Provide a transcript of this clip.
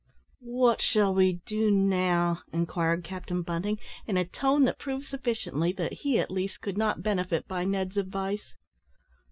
"What shall we do now?" inquired Captain Bunting, in a tone that proved sufficiently that he at least could not benefit by Ned's advice.